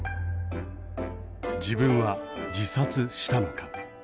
自分は自殺したのか。